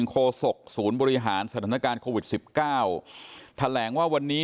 โศกศูนย์บริหารสถานการณ์โควิดสิบเก้าแถลงว่าวันนี้